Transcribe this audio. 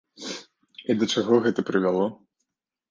І да чаго гэта прывяло?